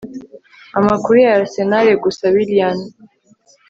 Amakuru ya Arsenal gusa Willian